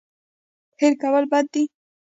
هېر کول بد دی.